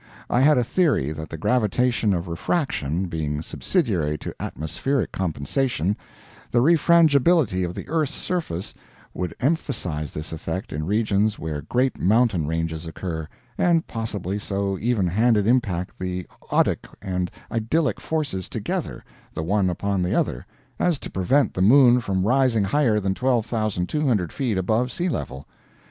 I had a theory that the gravitation of refraction, being subsidiary to atmospheric compensation, the refrangibility of the earth's surface would emphasize this effect in regions where great mountain ranges occur, and possibly so even handed impact the odic and idyllic forces together, the one upon the other, as to prevent the moon from rising higher than 12,200 feet above sea level.